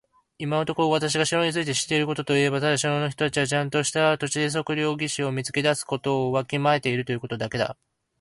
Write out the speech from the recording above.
今のところ私が城について知っていることといえば、ただ城の人たちはちゃんとした土地測量技師を見つけ出すことをわきまえているということだけだ。